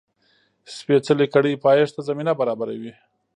سپېڅلې کړۍ پایښت ته زمینه برابروي.